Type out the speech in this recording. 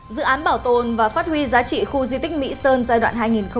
dự án bảo tồn và phát huy giá trị khu di tích mỹ sơn giai đoạn hai nghìn tám hai nghìn hai mươi